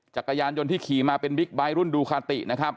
จากกระยานยนต์ที่ขี่มาเป็นรุ่นดูคาร์ตินะครับ